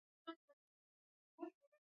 دا د الله تعالی د نومونو ښکلي شرح ده